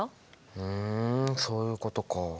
ふんそういうことか。